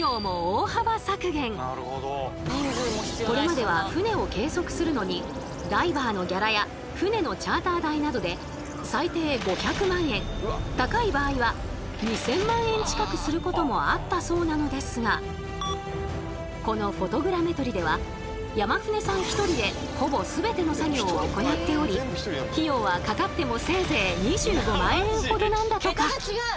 そしてこれまでは船を計測するのにダイバーのギャラや船のチャーター代などで最低５００万円高い場合は２，０００万円近くすることもあったそうなのですがこのフォトグラメトリでは山舩さん１人でほぼ全ての作業を行っており費用はかかってもせいぜい２５万円ほどなんだとか。